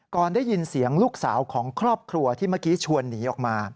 ก่อนได้ยินเสียงลูกสาวของครอบครัวที่เมื่อกี้ชวนหนีออกมา